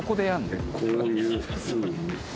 こういうふうに。